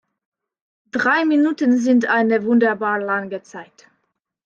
Drei Minuten sind eine wunderbar lange Zeit.